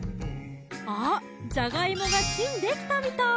あっじゃがいもがチンできたみたい！